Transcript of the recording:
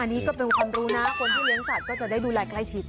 อันนี้ก็เป็นความรู้นะคนที่เลี้ยงสัตว์ก็จะได้ดูแลใกล้ชิด